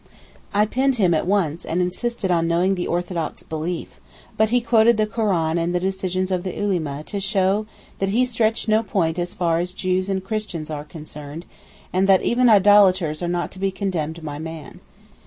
I pinned him at once, and insisted on knowing the orthodox belief; but he quoted the Koran and the decisions of the Ulema to show that he stretched no point as far as Jews and Christians are concerned, and even that idolaters are not to be condemned by man.